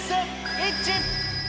イッチ。